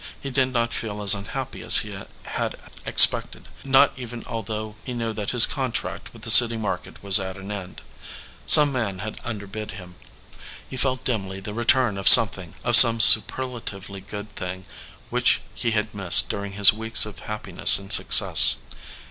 He did not feel as unhappy as he had expected, not even although he knew that his contract with the city market was at an end. Some man had underbid him. He felt dimly the return of something of some superla tively good thing which he had missed during his weeks of happiness and success.